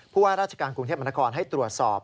เพราะว่าราชการกรุงเทพมนตร์กรให้ตรวจสอบ